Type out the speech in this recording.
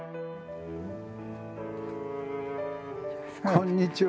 こんにちは。